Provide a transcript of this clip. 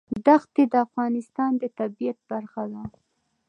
دښتې د افغانستان د طبیعت برخه ده.